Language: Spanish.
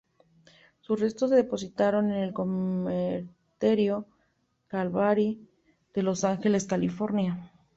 Sus restos se depositaron en el Cementerio Calvary de Los Ángeles, California.